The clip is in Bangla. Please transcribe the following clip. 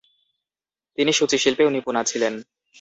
তিনি সূচিশিল্পেও নিপুণা ছিলেন।